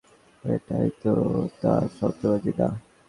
এটাই তো কথা তারা সন্ত্রাসবাদী না।